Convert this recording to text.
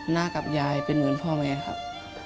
หน้ากับยายเป็นเหมือนพ่อแม่ครับ